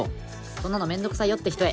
そんなの面倒くさいよって人へ。